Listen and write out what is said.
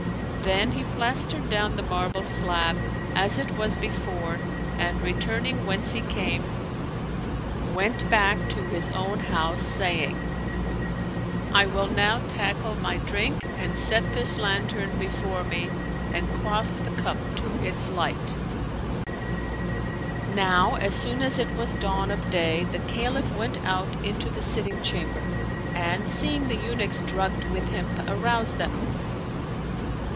Then he plastered down the marble slab as it was before, and returning whence he came, went back to his own house, saying, " I will now tackle my drink and set this lantern before me and quaff the cup to its light." 141 Oriental Mystery Stories Now as soon as it was dawn of day, the Caliph went out into the sitting chamber ; and, seeing the eunuchs drug^;ed with hemp, aroused them.